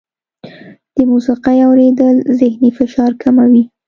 د موسیقۍ اورېدل ذهني فشار کموي.